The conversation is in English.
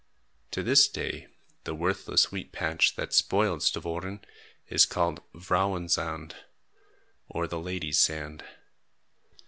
To this day the worthless wheat patch, that spoiled Stavoren, is called "Vrouwen Zand," or the Lady's Sand.